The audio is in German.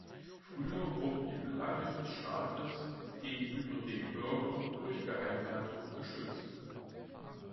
Früher wurden die Belange des Staates gegenüber den Bürgern durch Geheimhaltung geschützt.